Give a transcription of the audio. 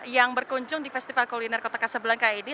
yang berkunjung di festival kuliner kota kasebelang kayak gini